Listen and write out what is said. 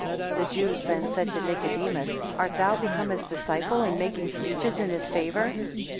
8 The Jews then said to Nicodemus, Art thou become his disciple, and making speeches in his favour?